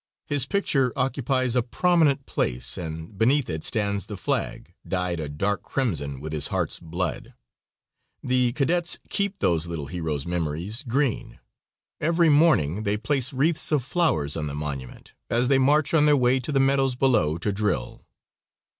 His picture occupies a prominent place, and beneath it stands the flag, dyed a dark crimson with his heart's blood. The cadets keep those little heroes' memories green. Every morning they place wreaths of flowers on the monument as they march on their way to the meadows below to drill.